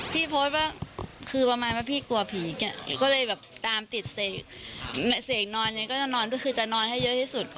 พี่โพสต์ว่าคือประมาณว่าพี่กลัวผีก็เลยตามติดเสกนอนก็จะนอนให้เยอะที่สุด